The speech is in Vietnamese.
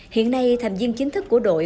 hiện nay tham viên chính thức của đội